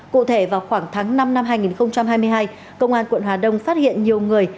cụ thể vào khoảng tháng năm năm hai nghìn hai mươi hai công an quận hà đông phát hiện nhiều người